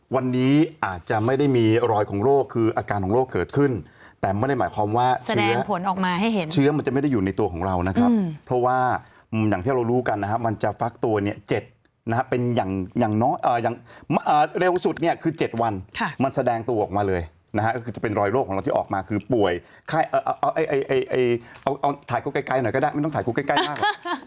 วันนี้อาจจะไม่ได้มีรอยของโรคคืออาการของโรคเกิดขึ้นแต่ไม่ได้หมายความว่าเชื้อผลออกมาให้เห็นเชื้อมันจะไม่ได้อยู่ในตัวของเรานะครับเพราะว่าอย่างที่เรารู้กันนะครับมันจะฟักตัวเนี่ย๗นะฮะเป็นอย่างเร็วสุดเนี่ยคือ๗วันมันแสดงตัวออกมาเลยนะฮะก็คือจะเป็นรอยโรคของเราที่ออกมาคือป่วยเอาถ่ายคลิปไกลหน่อยก็ได้ไม่ต้องถ่ายคุกใกล้มากหรอก